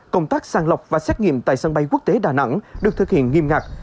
công tác sàng lọc và xét nghiệm tại sân bay quốc tế đà nẵng được thực hiện nghiêm ngặt